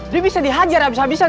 dia bisa dihajar habis habisan